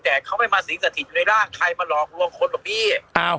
แต่เขาไม่มาสิงสถิตอยู่ในร่างใครมาหลอกลวงคนบอกพี่